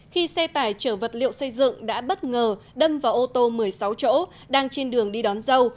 khi xe tải chở vật liệu xây dựng đã bất ngờ đâm vào ô tô một mươi sáu chỗ đang trên đường đi đón dâu